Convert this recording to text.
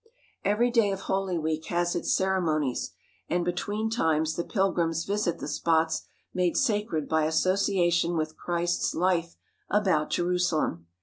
Every day of Holy Week has its ceremonies, and be tween times the pilgrims visit the spots made sacred by association with Christ's life about Jerusalem.